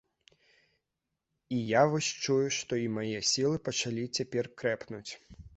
І я вось чую, што і мае сілы пачалі цяпер крэпнуць.